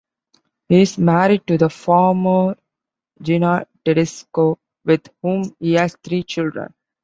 He is married to the former Gina Tedesco with whom he has three children.